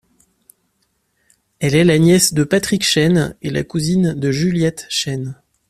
Elle est la nièce de Patrick Chêne et la cousine de Juliette Chêne.